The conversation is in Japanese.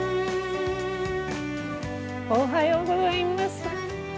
おはようございます。